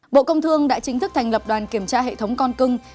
bộ công thương đã chính thức thành lập đoàn kiểm tra hệ thống con cưng